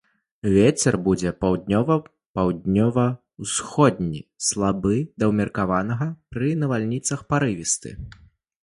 Вецер будзе паўднёвы, паўднёва-ўсходні слабы да ўмеркаванага, пры навальніцах парывісты.